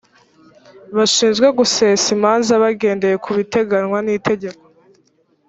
bashinzwe gusesa imanza bagendeye ku biteganywa n’itegeko